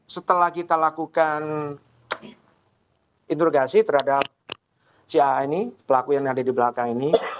setelah kita lakukan interogasi terhadap si a ini pelaku yang ada di belakang ini